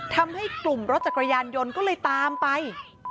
ทำให้กลุ่มรถจักรยานยนต์ก็เลยตามไป